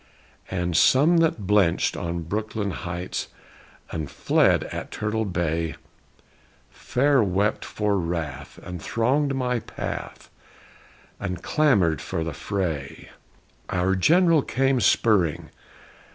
And some that blenched on Brooklyn Heights And fled at Turtle Bay Fair wept for wrath, and thronged my path And clamored for the fray. Our General came spurring!